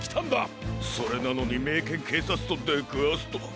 それなのにメイケンけいさつとでくわすとは。